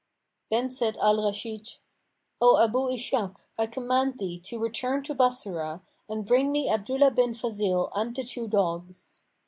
Then said Al Rashid, "O Abu Ishak, I command thee to return to Bassorah and bring me Abdullah bin Fazil and the two dogs."